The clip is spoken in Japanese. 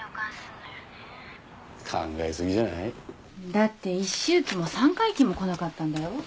だって一周忌も三回忌も来なかったんだよ。